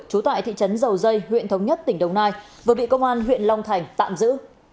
trú tại thị trấn dầu dây huyện thống nhất tỉnh đồng nai vừa bị công an huyện long thành tạm giữ